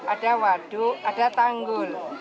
ada waduk ada tanggul